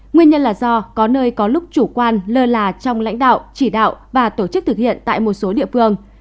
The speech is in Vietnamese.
nguyên nhân là do có nơi có lúc chủ quan lơ là trong lãnh đạo chỉ đạo và tổ chức thực hiện tại một số địa phương